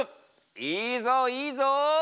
いいぞいいぞ！